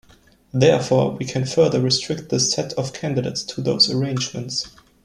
Therefore, we can further restrict the set of candidates to those arrangements.